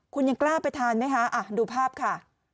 คุณยังกล้าไปทานไหมคะดูภาพค่ะ